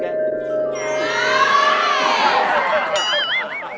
อย่างนี้